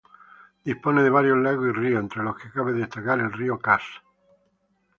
Dispone de varios lagos y ríos entre los que cabe destacar el río Cass.